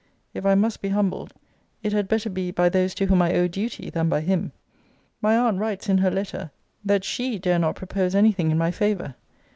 If I must be humbled, it had better be by those to whom I owe duty, than by him. My aunt writes in her letter,* that SHE dare not propose any thing in my favour.